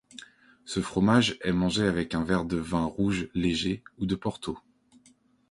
Ce fromage est mangé avec un verre de vin rouge léger ou de Porto.